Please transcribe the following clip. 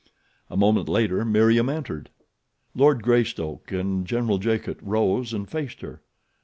A moment later Meriem entered. Lord Greystoke and General Jacot rose and faced her.